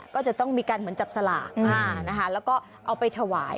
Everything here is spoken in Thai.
ก็จะต้องมีการเหมือนจับสลากนะคะแล้วก็เอาไปถวาย